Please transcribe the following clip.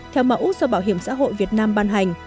theo mẫu do bảo hiểm xã hội việt nam ban hành